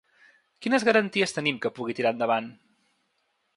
Quines garanties tenim que pugui tirar endavant?